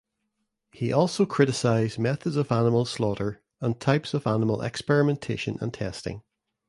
He also criticised methods of animal slaughter and types of animal experimentation and testing.